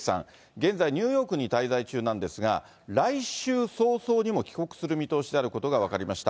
現在、ニューヨークに滞在中なんですが、来週早々にも帰国する見通しであることが分かりました。